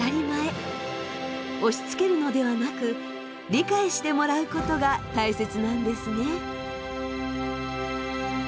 押しつけるのではなく理解してもらうことが大切なんですね。